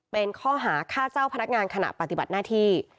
เป็นข้อหาฆ่าเจ้าพนักงานขณะปฏิบัติหน้าที่